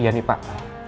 iya nih pak